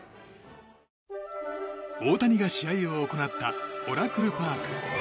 大谷が試合を行ったオラクルパーク。